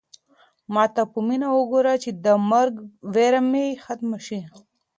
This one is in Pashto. ما ته په مینه وګوره چې د مرګ وېره مې ختمه شي.